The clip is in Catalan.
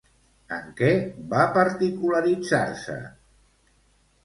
En què va particularitzar-se?